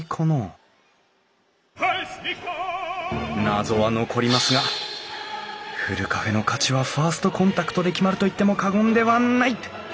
謎は残りますがふるカフェの価値はファーストコンタクトで決まると言っても過言ではない！